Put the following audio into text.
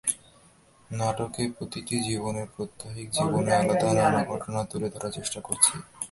নাটকে প্রতিটি চরিত্রের প্রাত্যহিক জীবনের আলাদা নানা ঘটনা তুলে ধরার চেষ্টা করছি।